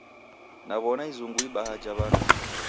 Naw'ona izungu ibaha jha w'andu.